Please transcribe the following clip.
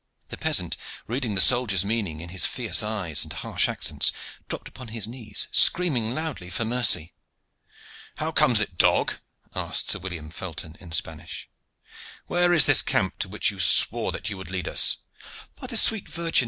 The peasant, reading the soldier's meaning in his fierce eyes and harsh accents dropped upon his knees, screaming loudly for mercy. "How comes it, dog?" asked Sir William Felton in Spanish. "Where is this camp to which you swore that you would lead us?" "By the sweet Virgin!